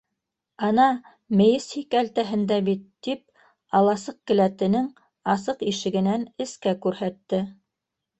— Ана, мейес һикәлтәһендә бит, — тип аласыҡ келәтенең асыҡ ишегенән эскә күрһәтте.